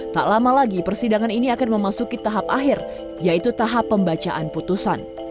tak lama lagi persidangan ini akan memasuki tahap akhir yaitu tahap pembacaan putusan